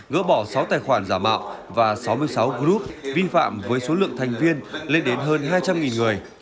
gỡ bỏ sáu tài khoản giả mạo và sáu mươi sáu group vi phạm với số lượng thành viên lên đến hơn hai trăm linh người